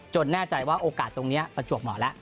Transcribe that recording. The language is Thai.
แน่ใจว่าโอกาสตรงนี้ประจวบเหมาะแล้ว